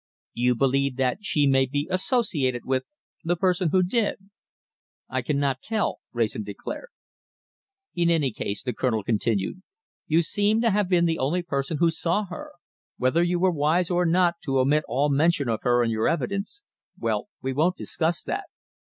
"You believe that she may be associated with the person who did?" "I cannot tell," Wrayson declared. "In any case," the Colonel continued, "you seem to have been the only person who saw her. Whether you were wise or not to omit all mention of her in your evidence well, we won't discuss that.